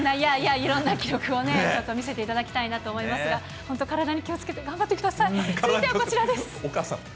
いろんな、記録をね、見せていただきたいと思いますが、体に気をつけて、頑張ってください。